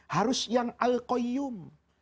harus yang alquayum